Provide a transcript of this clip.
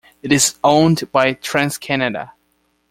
It is owned by TransCanada.